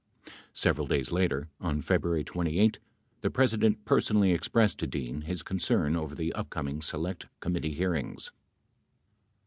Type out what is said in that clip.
30 Several days later, on February 28, the President personally ex pressed to Dean his concern over the upcoming Select Committee hearings.